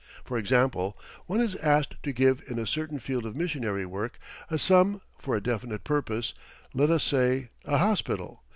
For example, one is asked to give in a certain field of missionary work a sum, for a definite purpose let us say a hospital.